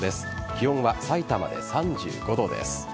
気温はさいたまで３５度です。